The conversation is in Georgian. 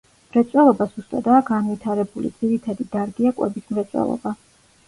მრეწველობა სუსტადაა განვითარებული, ძირითადი დარგია კვების მრეწველობა.